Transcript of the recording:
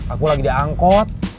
aku lagi di angkot